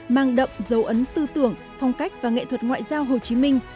mang đậm dấu ấn tư tưởng phong cách và nghệ thuật ngoại giao hồ chí minh